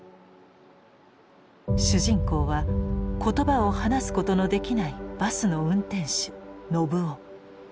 主人公は言葉を話すことのできないバスの運転手信男。